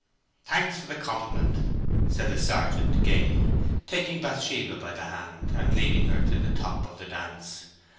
"Thanks for the compliment," said the sergeant gaily, taking Bathsheba by the hand and leading her to the top of the dance.